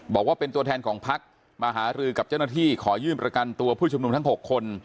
บอกว่าเป็นตัวแทนของพักมาหารือกับเจ้าหน้าที่ขอยื่นประกันตัวผู้ชุมนุมทั้ง๖คน